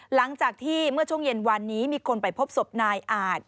หลังจากที่เมื่อช่วงเย็นวันนี้มีคนไปพบศพนายอาจ